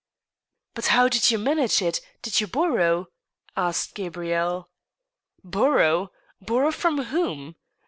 " But how did you manage it ? Did you borrow ?" asked Ga brielle. *' Borrow — ^borrow from whom